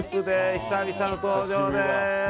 久々の登場です！